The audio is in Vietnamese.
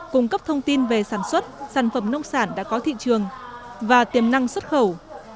cung cấp thông tin về sản xuất sản phẩm nông sản đã có thị trường và tiềm năng xuất khẩu